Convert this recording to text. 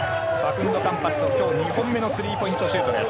カンパッソ、今日２本目のスリーポイントシュートです。